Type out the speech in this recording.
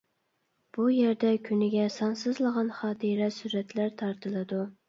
بۇ يەردە كۈنىگە سانسىزلىغان خاتىرە سۈرەتلەر تارتىلىدۇ.